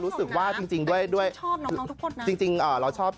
รู้สึกว่าจริงด้วยด้วยจริงน้องชอบน้องทุกคนนะ